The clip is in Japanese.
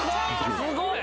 すごい！